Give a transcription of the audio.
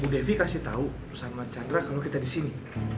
bu devi kasih tau sama chandra kalo kita disini